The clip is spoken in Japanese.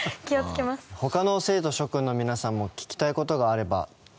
他の生徒諸クンの皆さんも聞きたい事があれば林先生に。